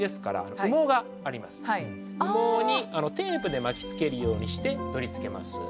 羽毛にテープで巻きつけるようにして取り付けます。